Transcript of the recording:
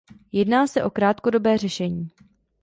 Jedná se o krátkodobé řešení.